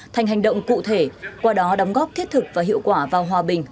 thành hành động cụ thể qua đó đóng góp thiết thực và hiệu quả vào hòa bình